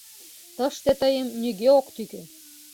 — Тыште тыйым нигӧ ок тӱкӧ.